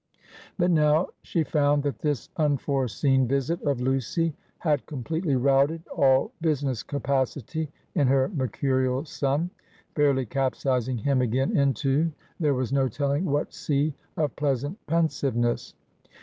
But now she found that this unforeseen visit of Lucy had completely routed all business capacity in her mercurial son; fairly capsizing him again into, there was no telling what sea of pleasant pensiveness.